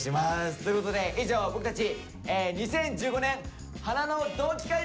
ということで以上僕たち２０１５年「華の同期会」でした！